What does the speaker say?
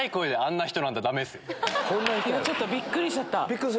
ちょっとびっくりしちゃった。